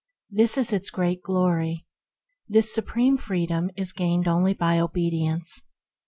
This is its great glory. This Supreme Freedom is gained by obedience.